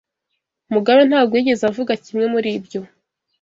Mugabe ntabwo yigeze avuga kimwe muri ibyo.